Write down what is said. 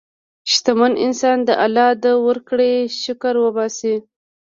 شتمن انسان د الله د ورکړې شکر وباسي.